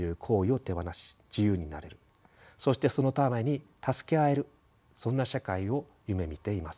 そしてそのために助け合えるそんな社会を夢みています。